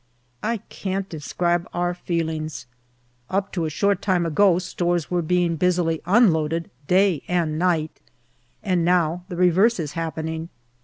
I can't describe our feelings. Up to a short time ago stores were being busily unloaded day and night, and now the reverse is happening.